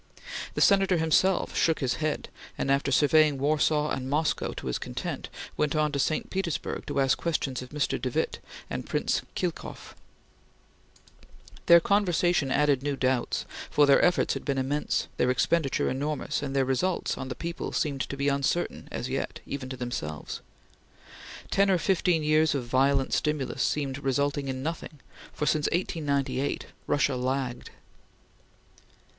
The Senator himself shook his head, and after surveying Warsaw and Moscow to his content, went on to St. Petersburg to ask questions of Mr. de Witte and Prince Khilkoff. Their conversation added new doubts; for their efforts had been immense, their expenditure enormous, and their results on the people seemed to be uncertain as yet, even to themselves. Ten or fifteen years of violent stimulus seemed resulting in nothing, for, since 1898, Russia lagged.